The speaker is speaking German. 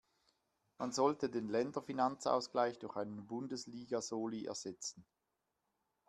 Man sollte den Länderfinanzausgleich durch einen Bundesliga-Soli ersetzen.